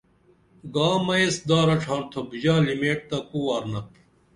گا مئیس دارہ ڇھارتُھپ ژا لِمیٹ تہ کُو وارنپ